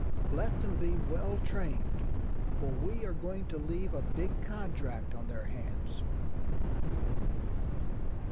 Let them be well trained, for we are going to leave a big contract on their hands.